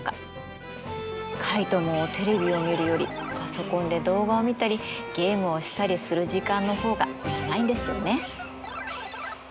カイトもテレビを見るよりパソコンで動画を見たりゲームをしたりする時間の方が長いんですよね。